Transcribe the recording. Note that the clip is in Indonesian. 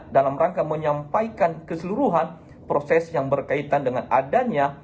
dalam rangka menyampaikan keseluruhan proses yang berkaitan dengan adanya